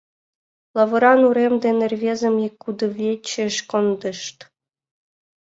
Лавыран урем дене рвезым ик кудывечыш кондышт.